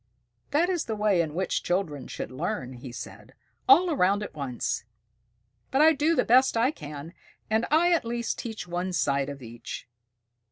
"That is the way in which children should learn," he said, "all around at once. But I do the best I can, and I at least teach one side of each."